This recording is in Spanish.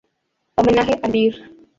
Homenaje al Dir.